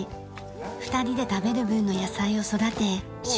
２人で食べる分の野菜を育て収穫しています。